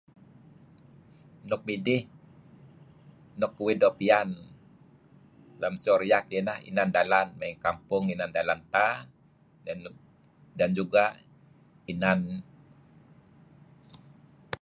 Nuk midih nuk uih doo' pian lam so riak neh inan dalan may kampong inan dalan pa dan juga' inan.